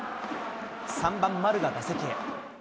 ３番丸が打席へ。